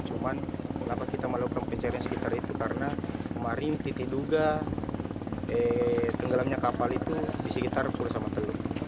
cuma kita melakukan pencarian sekitar itu karena kemarin titik duga tenggelamnya kapal itu di sekitar pulau samatelu